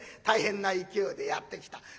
大変な勢いでやって来た。